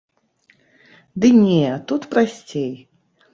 Ды не, тут прасцей.